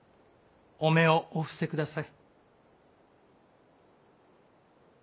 お目をお伏せ下さい。